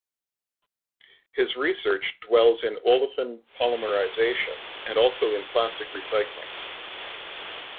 His research dwells in olefin polymerization, and also in plastic recycling.